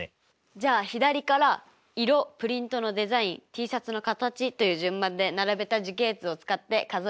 じゃあ左から色プリントのデザインＴシャツの形という順番で並べた樹形図を使って数えてみましょう。